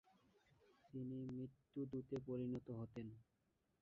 তিনি মৃত্যুদূতে পরিণত হতেন।